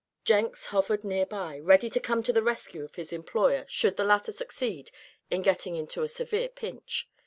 Jenks hovered near by, ready to come to the rescue of his employer should the latter succeed in getting into a severe pinch.